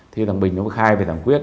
thì thằng bình nó khai về thằng quyết